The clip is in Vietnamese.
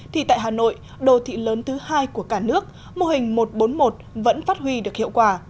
thì tại hà nội đô thị lớn thứ hai của cả nước mô hình một trăm bốn mươi một vẫn phát huy được hiệu quả